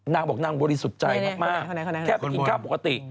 นางบอกนางบริสุทธิ์ใจมากแค่ไปกินข้าวปกติ